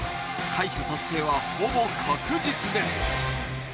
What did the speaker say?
快挙達成は、ほぼ確実です。